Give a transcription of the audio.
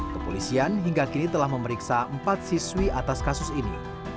kepolisian hingga kini telah memeriksa empat siswi atas kasus ini